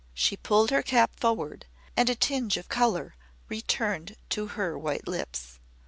She pulled her cap forward, and a tinge of colour returned to her white lips.